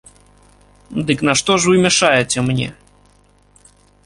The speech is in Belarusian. Дык нашто ж вы мяшаеце мне?